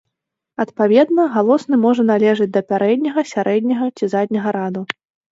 Адпаведна, галосны можа належаць да пярэдняга, сярэдняга ці задняга раду.